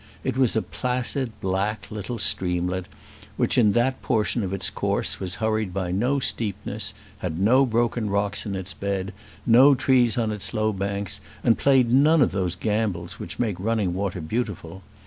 It was a placid black little streamlet, which in that portion of its course was hurried by no steepness, had no broken rocks in its bed, no trees on its low banks, and played none of those gambols which make running water beautiful.